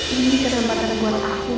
ini terdapatkan buat aku